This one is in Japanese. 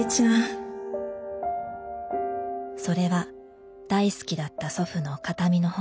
それは大好きだった祖父の形見の本。